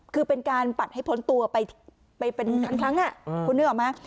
คือเป็นการปัดให้พ้นตัวไปเป็นครั้งคุณนึกออกไหม